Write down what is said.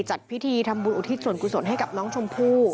จัดพิธีทำบุญอุทิศส่วนกุศลให้กับน้องชมพู่